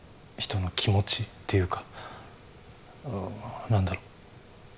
人の気持ちっていうか何だろう